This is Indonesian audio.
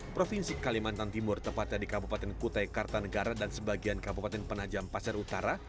provinsi kalimantan timur tepatnya di kabupaten kutai kartanegara dan sebagian kabupaten penajam pasir utara